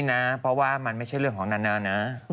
นอก็ไม่ใช่เรื่องของน่ารนะ